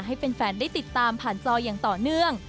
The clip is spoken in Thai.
ให้แฟนได้ติดตามผ่านจออย่างต่อเนื่อง